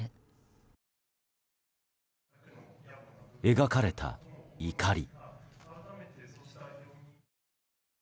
描かれた怒り。